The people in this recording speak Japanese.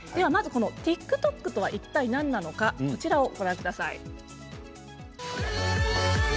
ＴｉｋＴｏｋとは何なのかこちらをご覧ください。